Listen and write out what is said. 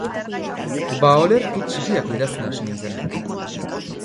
Ba olerki txikiak idazten hasi nintzen.